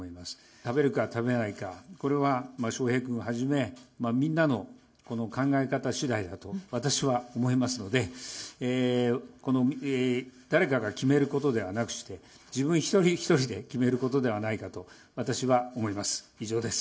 食べるか食べないか、これはしょうへい君はじめ、みんなの考え方しだいだと私は思いますので、誰かが決めることではなくして、自分一人一人で決めることではないかと、私は思います。